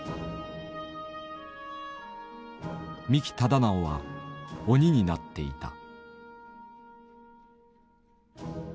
三木忠直は鬼になっていた。